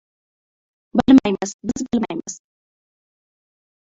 Bilmaymiz, biz bilmaymiz.